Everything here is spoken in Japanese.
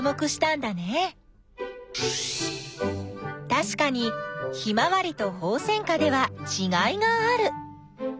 たしかにヒマワリとホウセンカではちがいがある。